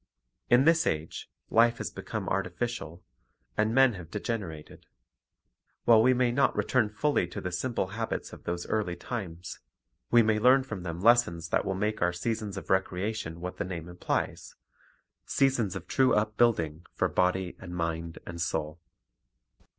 In this age, life has become artificial, and men have degenerated. While we may not return full) to the simple habits of those early times, we may learn from them lessons that will make our seasons of recreation what the name implies, — seasons of true upbuilding for body and mind and soul.